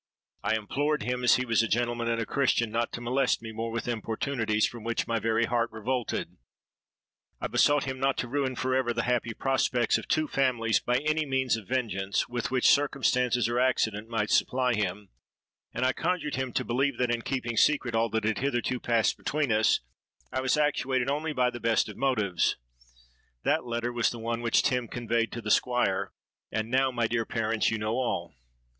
I implored him, as he was a gentleman and a Christian, not to molest me more with importunities from which my very heart revolted; I besought him not to ruin for ever the happy prospects of two families by any means of vengeance with which circumstances or accident might supply him; and I conjured him to believe that, in keeping secret all that had hitherto passed between us, I was actuated only by the best of motives. That letter was the one which Tim conveyed to the Squire; and now, my dear parents, you know all.'